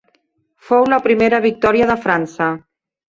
Fou la primera victòria de França.